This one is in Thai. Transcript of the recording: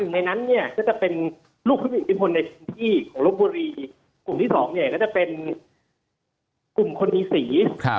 ในนั้นก็จะเป็นลูกผู้มีคิดผลในที่ลบบุรีกลุ่ม๒เนี่ยก็จะเป็นกลุ่มคนนิสี